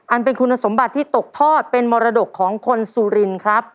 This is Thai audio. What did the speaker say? อันเป็นคุณสมบัติที่ตกทอดเป็นมรดกของคนสุรินครับ